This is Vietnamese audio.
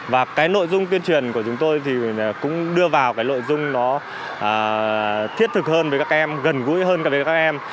và cái nội dung tuyên truyền của chúng tôi thì cũng đưa vào cái nội dung nó thiết thực hơn với các em gần gũi hơn các em